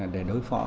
để đối phó